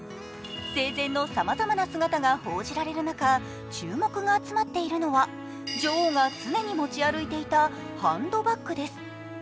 生前のさまざまな姿が報じられる中、注目が集まっているのは、女王が常に持ち歩いていたハンドバッグです。